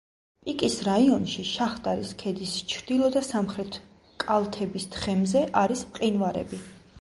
პიკის რაიონში, შაჰდარის ქედის ჩრდილო და სამხრეთ კალთების თხემზე არის მყინვარები.